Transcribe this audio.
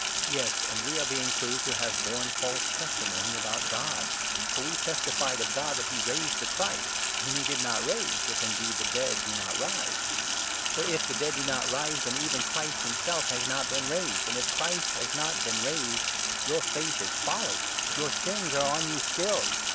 Yes, and we are being proved to have borne false 15 testimony about God ; for we testified of God that he raised the Christ, whom he did not raise, if, indeed, the dead do not rise ! For, if the dead do not rise, then even Christ himself has 16 not been raised, and, if Christ has not been raised, your faith is 17 folly — your sins are on you still